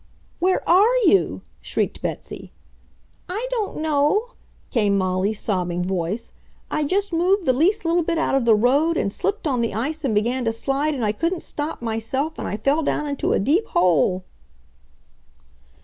"Where ARE you?" shrieked Betsy. "I don't know!" came Molly's sobbing voice. "I just moved the least little bit out of the road, and slipped on the ice and began to slide and I couldn't stop myself and I fell down into a deep hole!"